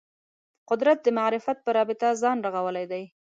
قدرت د معرفت په رابطه ځان رغولی دی